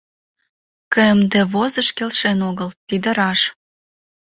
Кмдвозыш келшен огыл, тиде раш...